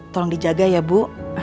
tolong dijaga ya bu